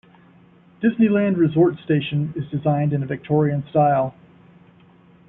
Disneyland Resort station is designed in a Victorian style.